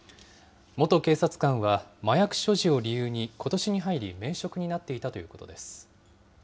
元警察官は麻薬所持を理由に、ことしに入り免職になっていたということです。